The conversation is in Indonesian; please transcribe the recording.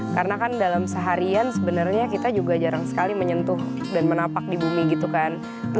karena kan dalam seharian sebenarnya kita juga jarang sekali menyentuh dan menapak di bumi gitu kan